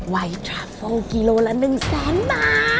ไวท์ทราเฟิลกิโลละหนึ่งแสนมาร์ท